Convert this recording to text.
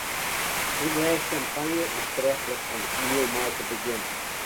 In glês sjampanje is treflik om it miel mei te begjinnen.